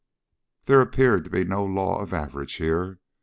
There appeared to be no law of average here.